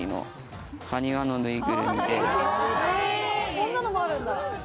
こんなのもあるんだ。